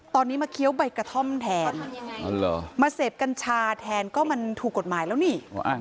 ตอนนี้มาเคี้ยวใบกระท่อมแทนมาเสพกัญชาแทนก็มันถูกกฎหมายแล้วนี่